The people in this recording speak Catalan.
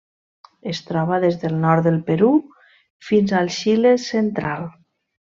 Es troba des del nord del Perú fins al Xile central.